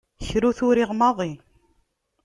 Kra ur t-uriɣ maḍi.